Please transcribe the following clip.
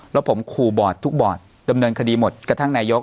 แล้วผมขู่บอร์ดทุกบอร์ดดำเนินคดีหมดกระทั่งนายก